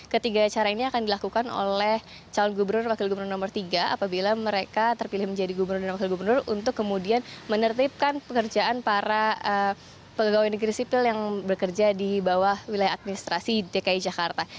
ketiga cara ini akan dilakukan oleh calon gubernur dan wakil gubernur nomor tiga apabila mereka terpilih menjadi gubernur dan wakil gubernur untuk kemudian menertibkan pekerjaan para pegawai negeri sipil yang bekerja di bawah wilayah administrasi dki jakarta